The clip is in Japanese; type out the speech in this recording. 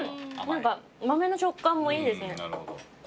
豆の食感もいいですね。